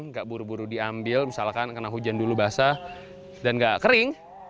nggak buru buru diambil misalkan kena hujan dulu basah dan nggak kering